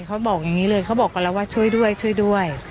เขาบอกอย่างนี้เลยเขาบอกกันแล้วว่าช่วยด้วยช่วยด้วย